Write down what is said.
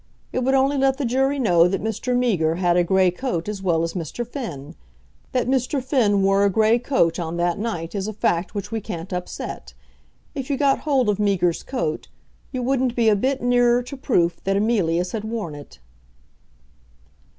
It would only let the jury know that Mr. Meager had a grey coat as well as Mr. Finn. That Mr. Finn wore a grey coat on that night is a fact which we can't upset. If you got hold of Meager's coat you wouldn't be a bit nearer to proof that Emilius had worn it."